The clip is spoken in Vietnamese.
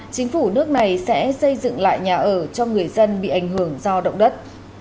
chính phủ nước này sẽ xây dựng lại nhà ở cho người dân bị ảnh hưởng do động đất